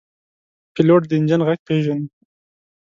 پیلوټ د انجن غږ پېژني.